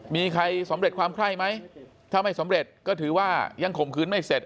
มีใครสำเร็จความไข้ไหมถ้าไม่สำเร็จก็ถือว่ายังข่มขืนไม่เสร็จ